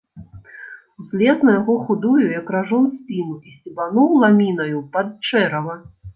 Узлез на яго худую, як ражон, спіну і сцебануў ламінаю пад чэрава.